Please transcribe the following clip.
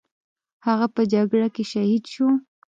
هغه په جګړه کې شهید شو.